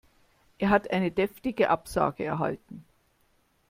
Er hat eine deftige Absage erhalten.